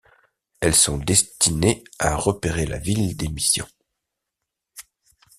Elles sont destinées à repérer la ville d'émission.